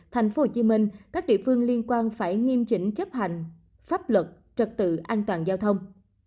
thành phố hồ chí minh các địa phương liên quan phải nghiêm chỉnh chấp hành pháp luật trật tự an toàn giao thông